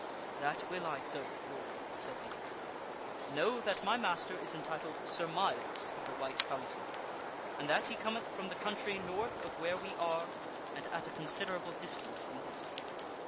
" That will I so, Lord," said the youth. " Know that my master is entitled Sir Myles of the White Fountain, and that he cometh from the , country north of where we are and at a considerable distance The page telleth J the story of the from this.